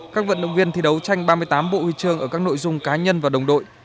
các vận động viên thi đấu tranh ba mươi tám bộ huy chương ở các nội dung cá nhân và đồng đội